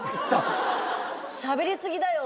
しゃべり過ぎだよ。